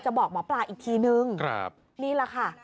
บอกหมอปลาอีกทีนึงนี่แหละค่ะ